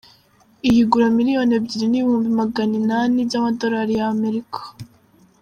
Iyi igura miliyoni ebyiri n’ibihumbi magana inani by’amadolari ya Amerika.